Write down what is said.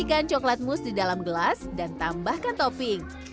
sajikan coklat mus di dalam gelas dan tambah ke topping